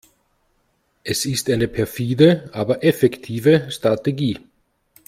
Es ist eine perfide, aber effektive Strategie.